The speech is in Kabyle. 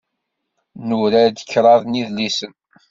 Nura-d kraḍ n yidlisen.